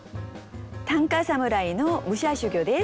短歌侍の武者修行です。